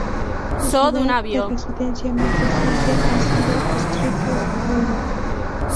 Su ciudad de residencia más reciente ha sido Stryker, Ohio.